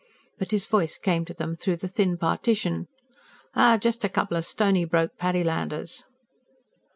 But his voice came to them through the thin partition. "Oh, just a couple o' stony broke Paddylanders."